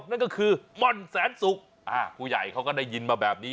นั่นก็คือม่อนแสนสุกผู้ใหญ่เขาก็ได้ยินมาแบบนี้